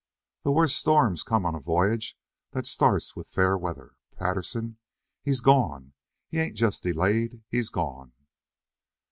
"The worst storms come on a voyage that starts with fair weather. Patterson? He's gone; he ain't just delayed; he's gone."